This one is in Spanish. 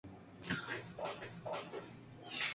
Pertenece a la plantilla del Estrella Roja.